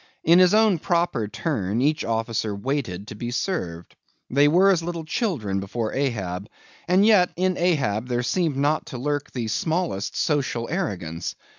In his own proper turn, each officer waited to be served. They were as little children before Ahab; and yet, in Ahab, there seemed not to lurk the smallest social arrogance.